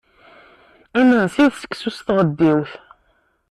Imensi d seksu s tɣeddiwt.